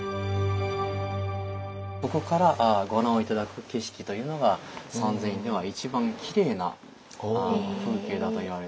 ここからご覧を頂く景色というのが三千院では一番きれいな風景だといわれております。